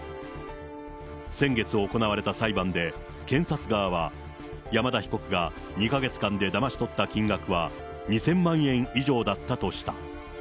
先月行われた裁判で、検察側は山田被告が２か月間でだまし取った金額は２０００万円以上だったとした。